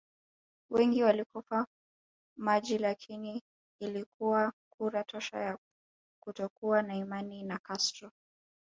Wengi walikufa maji lakini ilikuwa kura tosha ya kutokuwa na imani na Castro